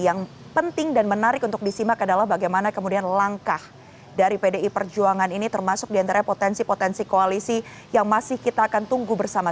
yang penting dan menarik untuk disimak adalah bagaimana kemudian langkah dari pdi perjuangan ini termasuk diantara potensi potensi koalisi yang masih kita akan tunggu bersama